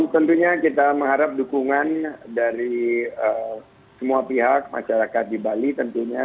tentunya kita mengharap dukungan dari semua pihak masyarakat di bali tentunya